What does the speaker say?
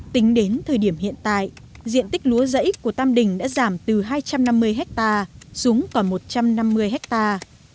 tính đến thời điểm hiện tại diện tích lúa giẫy của tam đình đã giảm từ hai trăm năm mươi hectare xuống còn một trăm năm mươi hectare